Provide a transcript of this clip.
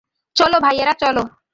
চলো, ভাইয়েরা, চলো।